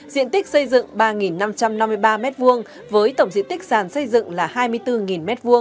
diện tích xây dựng ba năm trăm năm mươi ba m hai với tổng diện tích sàn xây dựng là hai mươi bốn m hai